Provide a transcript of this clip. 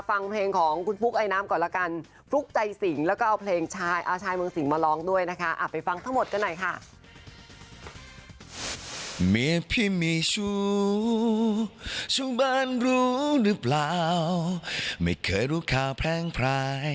ฟุ๊กใจสิงแล้วก็เอาเพลงอาชายเมืองสิงมาร้องด้วยนะคะอ่าไปฟังทั้งหมดกันหน่อยค่ะ